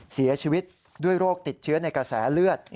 เสียชีวิตด้วยโรคติดเชื้อในกระแสเลือด